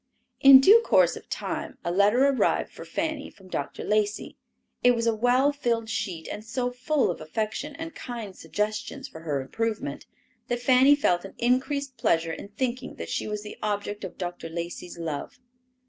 In due course of time a letter arrived for Fanny from Dr. Lacey. It was a well filled sheet and so full of affection and kind suggestions for her improvement, that Fanny felt an increased pleasure in thinking that she was the object of Dr. Lacey's love.